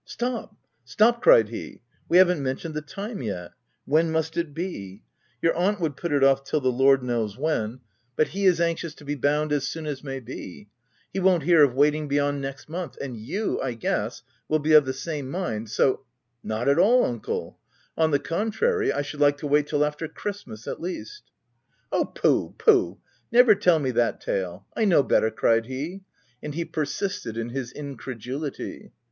" Stop, stop !" cried he — "We haven't men tioned the time yet. When must it be ? Your aunt would put it off till the Lord knows when, 18 THE TENANT but he is anxious to be bound as soon as may be : he won't hear of waiting beyond next month ; and you, I guess, will be of the same mind, so —"" Not at all, uncle ; on the contrary, I should like to wait till after Christmas, at least/' " Oh ! pooh, pooh ! never tell me that tale — I know better," cried he ; and he persisted in his incredulity.